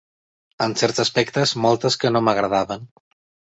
En certs aspectes moltes que no m'agradaven